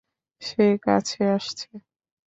সে কাছে আসছে।